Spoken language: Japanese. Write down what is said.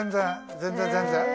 全然全然。